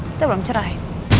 kita belum cerai